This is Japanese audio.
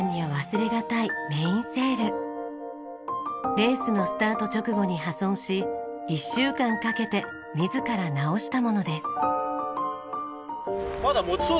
レースのスタート直後に破損し１週間かけて自ら直したものです。